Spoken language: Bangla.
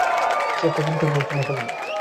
সে একটা কবিতার বই কিনে ফেলল।